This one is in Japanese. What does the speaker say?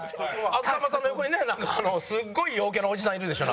さんまさんの横にねすごい陽キャのおじさんいるでしょ。